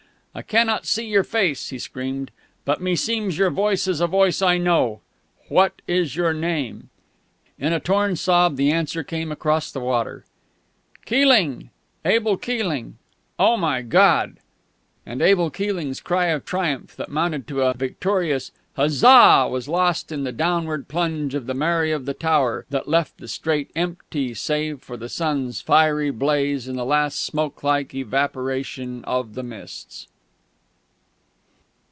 "I cannot see your face," he screamed, "but meseems your voice is a voice I know. What is your name?" In a torn sob the answer came across the water: "Keeling Abel Keeling.... Oh, my God!" And Abel Keeling's cry of triumph, that mounted to a victorious "Huzza!" was lost in the downward plunge of the Mary of the Tower, that left the strait empty save for the sun's fiery blaze and the last smoke like evaporation of the mists.